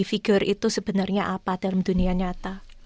figur itu sebenarnya apa dalam dunia nyata